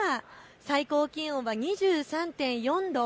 最高気温は２３．４度。